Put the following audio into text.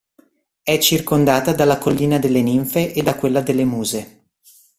È circondata dalla collina delle Ninfe e da quella delle Muse.